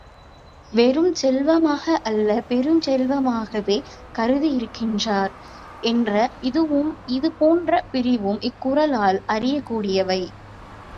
வெறுஞ் செல்வமாக அல்ல பெருஞ் செல்வமாகவே கருதியிருக்கிறார் என்ற இதுவும், இது போன்ற பிறவும், இக்குறளால் அறியக் கூடியவை.